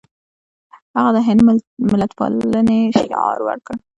هغه د هند ملتپالنې شعار ورکړ.